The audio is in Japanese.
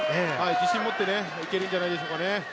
自信をもっていけるんじゃないでしょうかね。